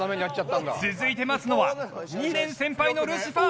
続いて待つのは２年先輩のルシファー。